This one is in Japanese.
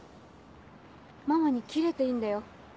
ママにキレていいんだよ。